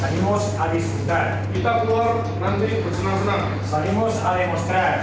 kita keluar nanti bersenang senang